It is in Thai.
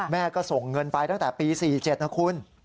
แม่ก็ส่งเงินไปตั้งแต่ปี๔๗นะคุณ